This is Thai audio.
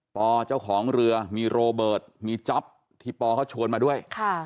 ปอเจ้าของเรือมีโรเบิร์ตมีจ๊อปที่ปอเขาชวนมาด้วย